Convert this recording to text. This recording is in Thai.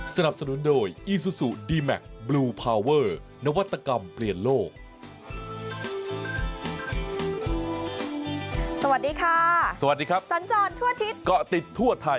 สวัสดีค่ะสวัสดีครับสัญจรทั่วอาทิตย์ก็ติดทั่วไทย